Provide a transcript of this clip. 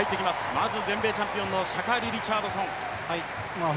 まず全米チャンピオンのシャカリ・リチャードソン。